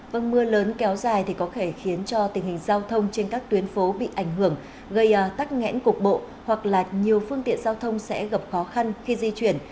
vâng mưa lớn kéo dài thì có thể khiến cho tình hình giao thông trên các tuyến phố bị ảnh hưởng gây tắc nghẽn cục bộ hoặc là nhiều phương tiện giao thông sẽ gặp khó khăn khi di chuyển